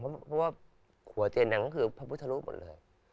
เพราะว่าขัวเตียนอันนั้นเพราะตำรวจทรวดหมดเลย